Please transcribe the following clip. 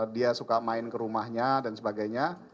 dia suka main ke rumahnya dan sebagainya